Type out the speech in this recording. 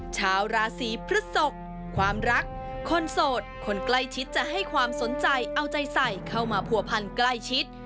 ชาวราศีพฤศกความรักคนโสดคนใกล้ชิดจะให้ความสนใจเอาใจใส่เข้ามาผัวพันใกล้ชิด